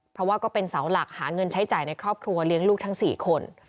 เพราะว่าก็เป็นเสาหลักหาเงินใช้จ่ายในครอบครัวเลี้ยงลูกทั้ง๔คน